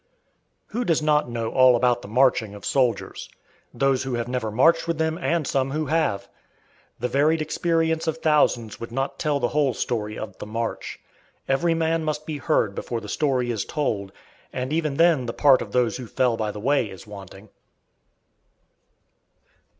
Who does not know all about the marching of soldiers? Those who have never marched with them and some who have. The varied experience of thousands would not tell the whole story of the march. Every man must be heard before the story is told, and even then the part of those who fell by the way is wanting.